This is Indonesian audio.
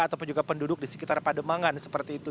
ataupun juga penduduk di sekitar pademangan seperti itu